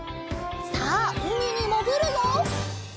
さあうみにもぐるよ！